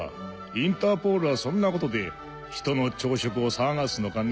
インターポールはそんなことでひとの朝食を騒がすのかね？